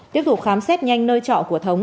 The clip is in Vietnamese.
tiếp tục khám xét nhanh nơi trọ của thống